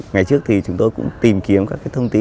ngày trước thì chúng tôi cũng tìm kiếm các cái nội dung mới